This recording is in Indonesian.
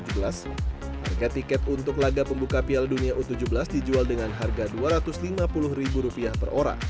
harga tiket untuk laga pembuka piala dunia u tujuh belas dijual dengan harga rp dua ratus lima puluh